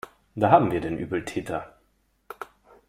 Da haben wir den Übeltäter.